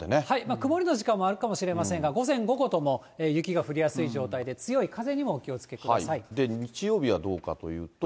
曇りの時間もあるかもしれませんが、午前、午後とも雪が降りやすい状態で、日曜日はどうかというと。